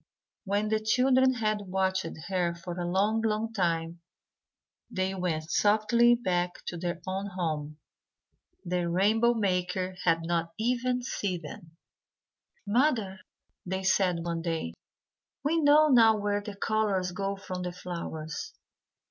When the children had watched her for a long long time, they went softly back to their own home. The rainbow maker had not even seen them. "Mother," they said one day, "we know now where the colours go from the flowers.